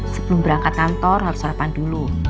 sebelum berangkat kantor harus sarapan dulu